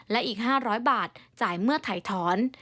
และอีก๕๐๐บาทจ่ายเมื่อถ่ายถอน